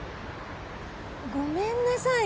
ごめんなさい！